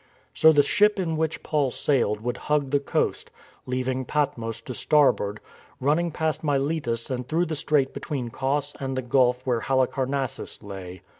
So the ship in which Paul sailed would hug the coast, leaving Pat mos to starboard, running past Miletus and through the strait between Cos and the gulf where Halicar nassus lay.